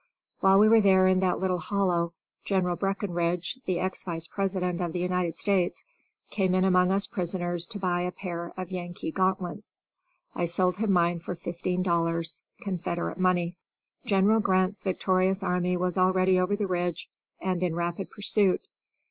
While we were there in that little hollow General Breckenridge, the ex Vice President of the United States, came in among us prisoners to buy a pair of Yankee gauntlets. I sold him mine for fifteen dollars (Confederate money). General Grant's victorious army was already over the Ridge and in rapid pursuit.